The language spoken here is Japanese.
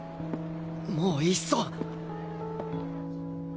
もういっそ